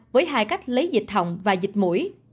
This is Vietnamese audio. với hai cách lấy dịch hỏng và dịch mũi